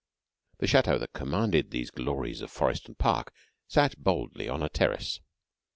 The chateau that commanded these glories of forest and park sat boldly on a terrace.